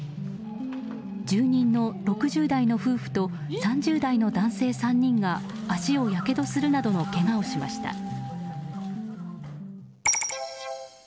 住人の６０代の夫婦と３０代の男性３人が足をやけどするなどのけがをしました。